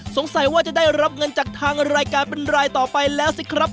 สงสัยว่าจะได้รับเงินจากทางรายการเป็นรายต่อไปแล้วสิครับ